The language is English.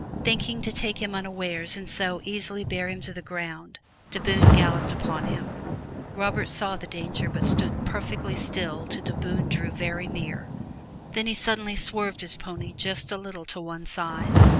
Thinking to take him unawares and so easily bear him to the ground, de Bohun galloped upon him. Robert saw the danger but stood perfectly still till de Bohun drew very near, then he suddenly swerved his pony just a little to one side.